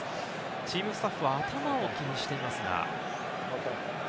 チームスタッフは頭を気にしていますが。